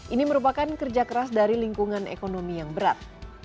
ini merupakan kerja keras dari lingkungan ekonomi yang berat